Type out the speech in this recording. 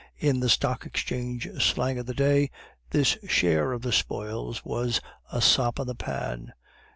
In the stock exchange slang of the day, this share of the spoils was a 'sop in the pan.